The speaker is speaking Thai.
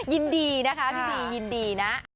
ยินดีนะคะพี่บียินดีนะ